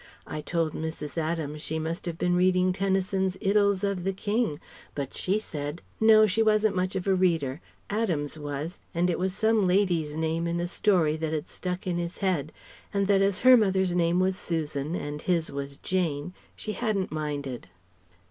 I told Mrs. Adams she must have been reading Tennyson's Idylls of the King; but she said 'No, she wasn't much of a reader: Adams was, and it was some lady's name in a story that had stuck in his head, and that as her mother's name was Susan and his was Jane, she hadn't minded.'"